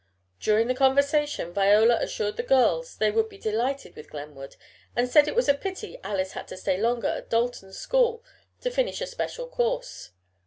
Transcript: During the conversation Viola assured the girls they would be delighted with Glenwood and said it was a pity Alice had to stay longer at Dalton school to finish a special course.